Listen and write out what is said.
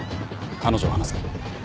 彼女を放せ。